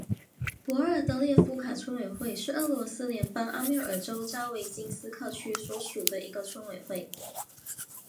博尔德列夫卡村委员会是俄罗斯联邦阿穆尔州扎维京斯克区所属的一个村委员会。